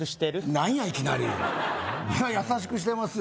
何やいきなりいや優しくしてますよ